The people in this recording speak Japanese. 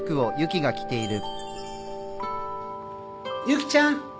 ・ユキちゃん。